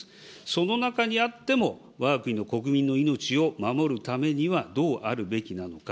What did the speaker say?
その中にあってもわが国の国民の命を守るためにはどうあるべきなのか。